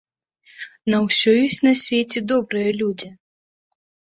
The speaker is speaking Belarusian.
На ўсё ёсць на свеце добрыя людзі!